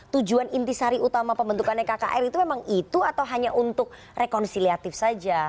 tujuan inti sari utama pembentukannya kkr itu memang itu atau hanya untuk rekonsiliatif saja